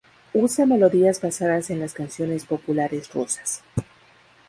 Usa melodías basadas en las canciones populares rusas.